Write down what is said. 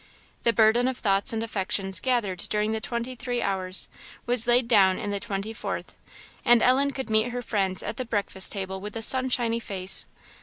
The burden of thoughts and affections gathered during the twenty three hours, was laid down in the twenty fourth; and Ellen could meet her friends at the breakfast table with a sunshiny face.